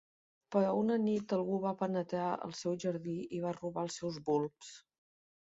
Però una nit algú va penetrar al seu jardí i va robar els seus bulbs.